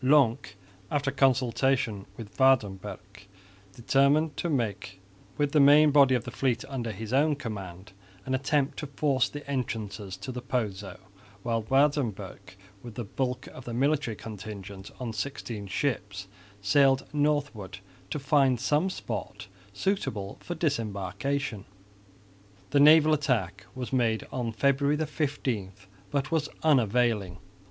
Lonck, after consultation with Waerdenburgh, determined to make with the main body of the fleet under his own command an attempt to force the entrances to the Pozo, while Waerdenburgh, with the bulk of the military contingent on sixteen ships, sailed northwards to find some spot suitable for disembarkation. The naval attack was made on February 15, but was unavailing.